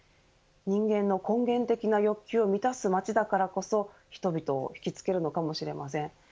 人間の根源的な欲求を満たす町だからこそ人々を引きつけるのかもしれません。